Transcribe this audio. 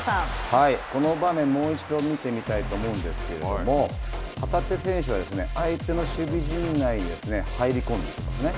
この場面、もう一度見てみたいと思うんですけれども、旗手選手は相手の守備陣内に入り込んでいきますね。